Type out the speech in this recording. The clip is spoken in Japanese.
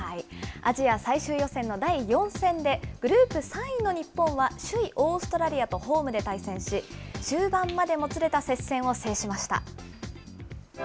アジア最終予選の第４戦で、グループ３位の日本は、首位オーストラリアとホームで対戦し、終盤までもつれた接戦を制しました。